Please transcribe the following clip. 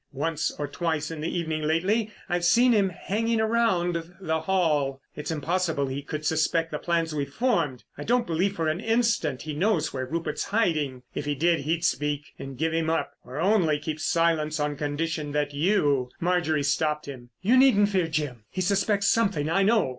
Once or twice in the evening lately I've seen him hanging around The Hall. It's impossible he could suspect the plans we've formed. I don't believe for an instant he knows where Rupert's hiding. If he did, he'd speak, and give him up, or only keep silence on condition that you——" Marjorie stopped him. "You needn't fear, Jim. He suspects something, I know.